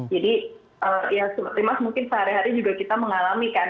jadi ya terima mungkin sehari hari juga kita mengalami kan